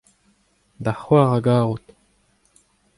da c'hoar a garot.